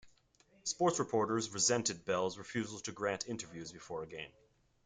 Sports reporters resented Belle's refusal to grant interviews before a game.